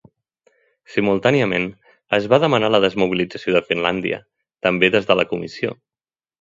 Simultàniament, es va demanar la desmobilització de Finlàndia, també des de la comissió.